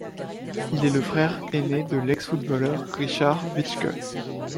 Il est le frère ainé de l'ex-footballeur Richard Witschge.